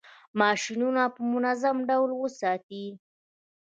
ماشینونه په منظم ډول وساتئ.